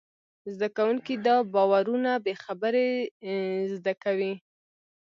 زدهکوونکي دا باورونه بېخبري زده کوي.